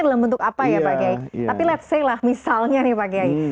dalam bentuk apa ya pak gaya tapi let's say lah misalnya nih pak gaya